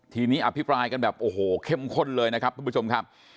ทีนี้อภิปรายกันแบบโอ้โหเข้มข้นเลยนะครับทุกผู้ชมครับ